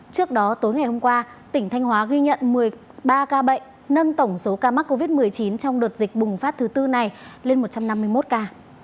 trước đó tối ngày hôm qua tỉnh thanh hóa ghi nhận một mươi ba ca bệnh nâng tổng số ca mắc covid một mươi chín trong đợt dịch bùng phát thứ tư này lên một trăm năm mươi một ca